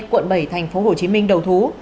quận bảy tp hcm đầu thú